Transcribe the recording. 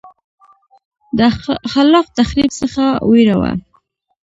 د خلاق تخریب څخه وېره وه.